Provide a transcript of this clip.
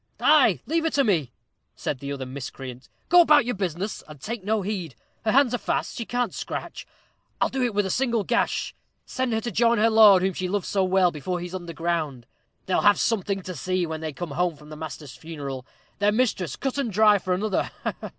"Ay, leave her to me," said the other miscreant. "Go about your business, and take no heed. Her hands are fast she can't scratch. I'll do it with a single gash send her to join her lord, whom she loved so well, before he's under ground. They'll have something to see when they come home from the master's funeral their mistress cut and dry for another.